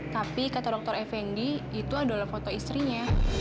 tapi kata dokter effendi itu adalah foto istrinya